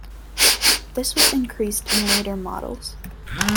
This was increased in later models.